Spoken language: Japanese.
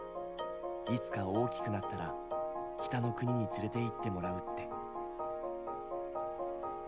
いつか大きくなったら北の国に連れていってもらうって。